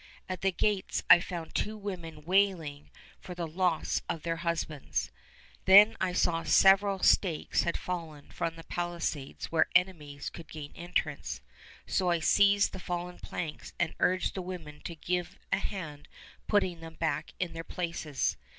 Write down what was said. At the gates I found two women wailing for the loss of their husbands. Then I saw several stakes had fallen from the palisades where enemies could gain entrance; so I seized the fallen planks and urged the women to give a hand putting them back in their places.